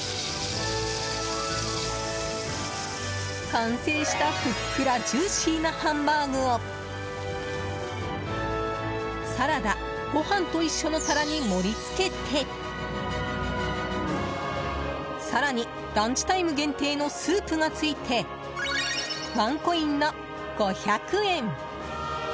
完成したふっくらジューシーなハンバーグをサラダ、ご飯と一緒の皿に盛り付けて更に、ランチタイム限定のスープがついてワンコインの５００円。